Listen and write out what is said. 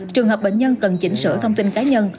trường hợp bệnh nhân cần chỉnh sửa thông tin cá nhân